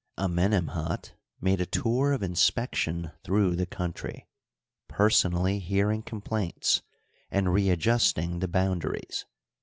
Amenemhat made a tour of inspection through the country, personally hearing complaints and readjusting the boundaries.